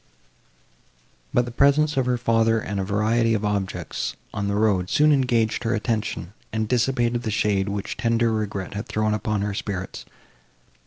But the presence of her father and the variety of objects, on the road, soon engaged her attention, and dissipated the shade, which tender regret had thrown upon her spirits.